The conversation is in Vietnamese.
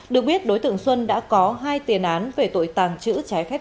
được biết đối tượng xuân đã có hai tiền án về tội tàng trữ trái phép